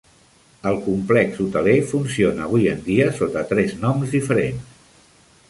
El complex hoteler funciona avui en dia sota tres noms diferents.